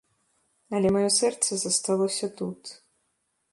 Але маё сэрца засталося тут.